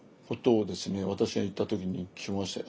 私が行った時に聞きましてね。